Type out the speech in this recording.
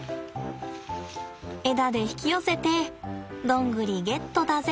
枝で引き寄せてドングリゲットだぜ。